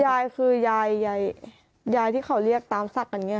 ยายคือยายยายที่เขาเรียกตามศักดิ์อย่างนี้